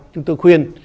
chúng tôi khuyên